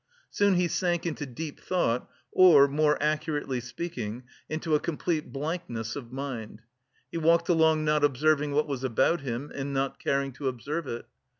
Soon he sank into deep thought, or more accurately speaking into a complete blankness of mind; he walked along not observing what was about him and not caring to observe it.